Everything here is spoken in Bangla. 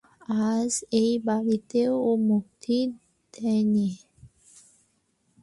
আজ এ বাড়িতেও মুক্তি নেই।